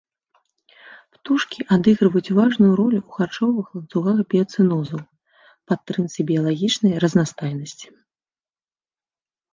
Птушкі адыгрываюць важную ролю ў харчовых ланцугах біяцэнозаў, падтрымцы біялагічнай разнастайнасці.